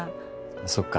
そっか。